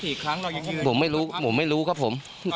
ตลอดทั้งคืนตลอดทั้งคืน